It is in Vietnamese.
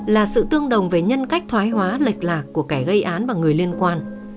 là sự tương đồng về nhân cách thoái hóa lệch lạc của kẻ gây án và người liên quan